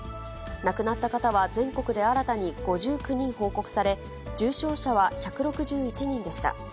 亡くなった方は全国で新たに５９人報告され、重症者は１６１人でした。